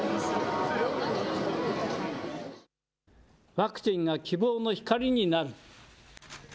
ワクチンが希望の光になる。